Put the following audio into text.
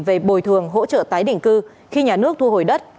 về bồi thường hỗ trợ tái định cư khi nhà nước thu hồi đất